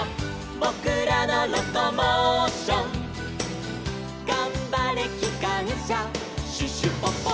「ぼくらのロコモーション」「がんばれきかんしゃシュシュポポ」